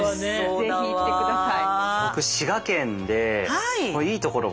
是非行って下さい。